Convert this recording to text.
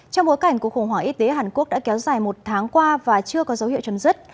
trong bối cảnh cuộc khủng hoảng y tế hàn quốc đã kéo dài một tháng qua và chưa có dấu hiệu chấm dứt